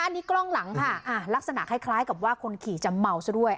อันนี้กล้องหลังค่ะลักษณะคล้ายกับว่าคนขี่จะเมาซะด้วย